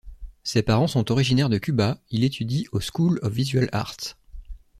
Ses parents sont originaires de Cuba, il étudie au School of Visual Arts.